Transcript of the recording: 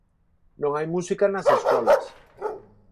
Non hai música nas escolas.